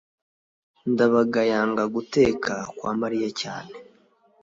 ndabaga yanga guteka kwa mariya cyane